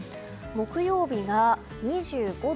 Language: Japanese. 木曜日が２５度。